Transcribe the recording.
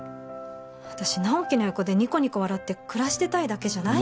私直木の横でニコニコ笑って暮らしてたいだけじゃないよ